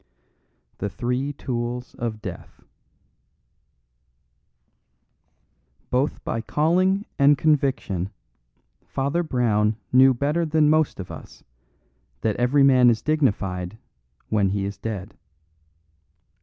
The Three Tools of Death Both by calling and conviction Father Brown knew better than most of us, that every man is dignified when he is dead.